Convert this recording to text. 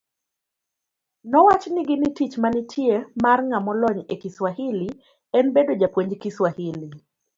Nowachnigi ni tich manitie mar ng'amolony e Kiswahili en bedo japuonj Kiswahili.